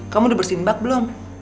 kamu udah bersihin bak belum